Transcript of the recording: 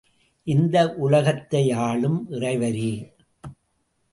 இந்த உலகத்தையாளும் இறைவரே!